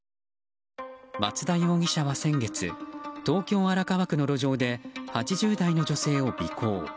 松田容疑者は先月東京・荒川区の路上で８０代の女性を尾行。